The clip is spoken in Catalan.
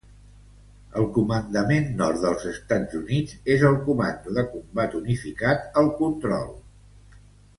El Comandament Nord dels Estats Units és el Comando de Combat Unificat al control.